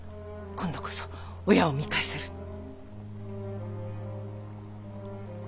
今度こそ親を見返せる。